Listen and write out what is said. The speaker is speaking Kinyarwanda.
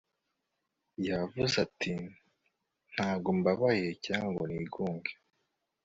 yavuze ati ntabwo mbabaye cyangwa ngo nigunge